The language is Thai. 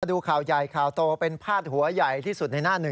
ดูข่าวใหญ่ข่าวโตเป็นพาดหัวใหญ่ที่สุดในหน้าหนึ่ง